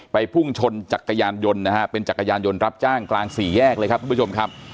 พุ่งชนจักรยานยนต์นะฮะเป็นจักรยานยนต์รับจ้างกลางสี่แยกเลยครับทุกผู้ชมครับ